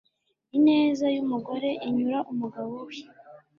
ineza y'umugore inyura umugabo we